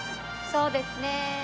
そうですね。